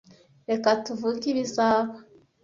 Reka tuvuge ibizaba.